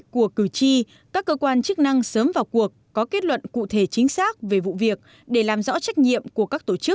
các cơ quan chức năng sớm vào cuộc có kết luận cụ thể chính xác về vụ việc để làm rõ trách nhiệm của các tổ chức